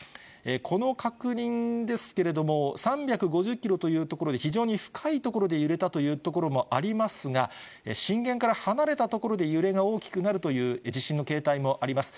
この確認ですけれども、３５０キロという所で、非常に深い所で揺れたというところもありますが、震源から離れた所で揺れが大きくなるという地震の形態もあります。